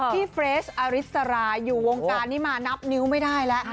เฟรสอริสราอยู่วงการนี้มานับนิ้วไม่ได้แล้ว